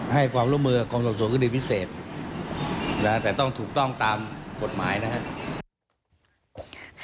ให้ความร่วมมือกับกรมสอบสวนคดีพิเศษแต่ต้องถูกต้องตามกฎหมายนะครับ